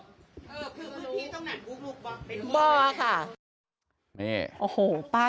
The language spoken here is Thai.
พี่ต้องนานบุกลุกบอกเป็นหรือเปล่า